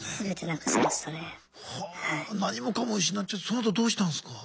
何もかも失っちゃってそのあとどうしたんすか？